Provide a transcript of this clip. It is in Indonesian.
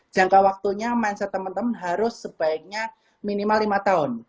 jangka waktunya mindset teman teman harus sebaiknya minimal lima tahun